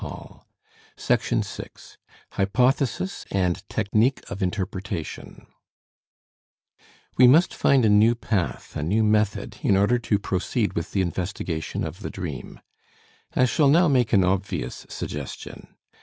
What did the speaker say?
SIXTH LECTURE THE DREAM Hypothesis and Technique of Interpretation We must find a new path, a new method, in order to proceed with the investigation of the dream. I shall now make an obvious suggestion.